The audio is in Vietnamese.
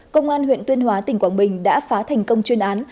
công an huyện tuyên hóa tỉnh quảng bình đã phá thành công chuyên án